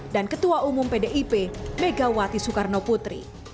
dan ketua umum pdip megawati soekarnoputri